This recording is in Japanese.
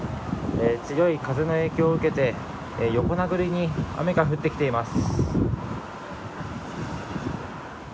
強い風の影響を受けて横殴りに雨が降ってきています。